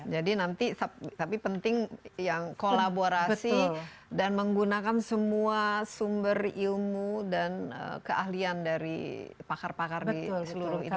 jadi nanti tapi penting yang kolaborasi dan menggunakan semua sumber ilmu dan keahlian dari pakar pakar di seluruh indonesia